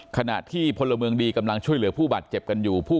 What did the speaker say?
ขณะที่พลเมืองดีกำลังช่วยเหลือผู้บาดเจ็บกันอยู่